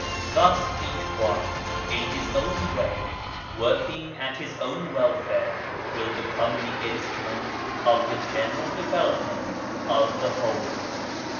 Thus each one, in his own way, working at his own welfare, will become the instrument of the general development of the whole.